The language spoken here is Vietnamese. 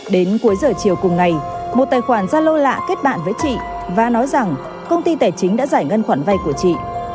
đến cuối giờ chiều cùng ngày một tài khoản gia lô lạ kết bạn với chị và nói rằng công ty tài chính đã giải ngân khoản vay của chị